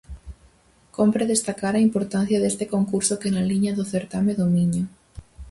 Cómpre destacar a importancia deste concurso que na liña do Certame do Miño.